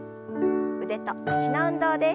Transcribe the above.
腕と脚の運動です。